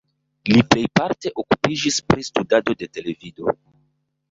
Li plejparte okupiĝis pri studado de televido.